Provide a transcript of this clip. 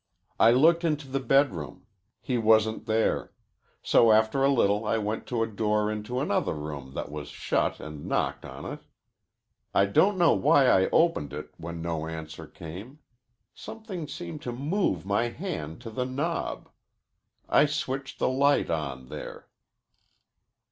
I looked into the bedroom. He wasn't there. So after a little I went to a door into another room that was shut and knocked on it. I don't know why I opened it when no answer came. Something seemed to move my hand to the knob. I switched the light on there."